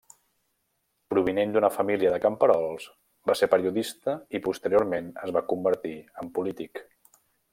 Provinent d'una família de camperols, va ser periodista i posteriorment es va convertir en polític.